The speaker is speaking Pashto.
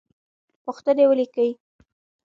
پوښتنې ولیکه.